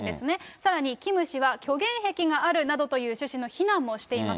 さらにキム氏は虚言癖があるなどという趣旨の非難もしています。